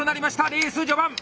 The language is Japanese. レース序盤。